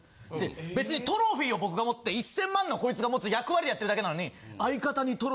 別にトロフィーを僕が持って１０００万のをこいつが持つ役割でやってるだけなのに。